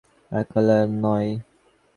আপনি যে কথাটা বলছেন ওটা একালের নয়।